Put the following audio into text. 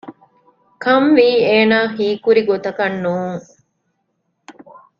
ކަންވީ އޭނާ ހީކުރި ގޮތަކަށް ނޫން